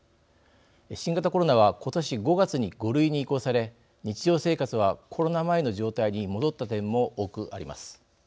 新型コロナは今年５月に５類に移行され日常生活はコロナ前の状態に戻った点も多くあります。